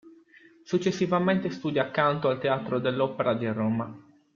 Successivamente studia canto al Teatro dell'Opera di Roma.